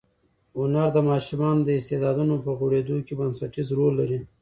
هنر د ماشومانو د استعدادونو په غوړېدو کې بنسټیز رول لري.